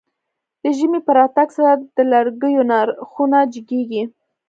د ژمی په راتګ سره د لرګيو نرخونه جګېږي.